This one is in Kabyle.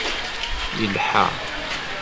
Yelḥa.